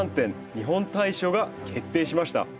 日本大賞が決定しました。